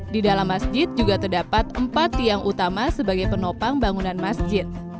di dalam masjid juga terdapat empat tiang utama sebagai penopang bangunan masjid